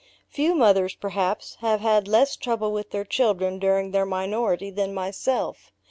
Few mothers, perhaps, have had less trouble with their children during their minority than myself.